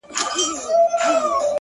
زلفي يې زما پر سر سايه جوړوي ـ